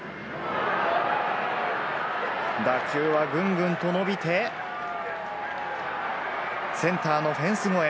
打球はぐんぐんと伸びて、センターのフェンス越え！